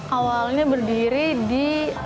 awalnya berdiri di